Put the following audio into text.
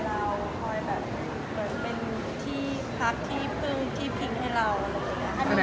แล้วก็คิดถ้ารักเท้ากัน